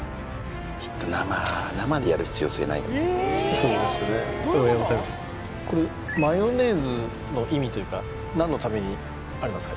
そうですねはいこれマヨネーズの意味というか何のためにありますか？